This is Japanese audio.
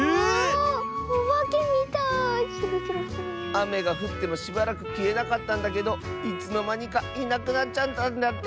あめがふってもしばらくきえなかったんだけどいつのまにかいなくなっちゃったんだって！